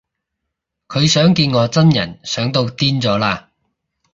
佢想見我真人想到癲咗喇